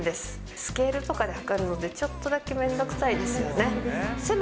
スケールとかで量るのでちょっとだけ面倒くさいですよね。